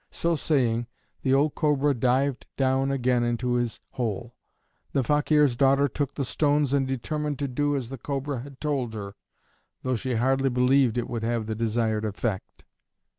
So saying, the old Cobra dived down again into his hole. The Fakeer's daughter took the stones and determined to do as the Cobra had told her, though she hardly believed it would have the desired effect.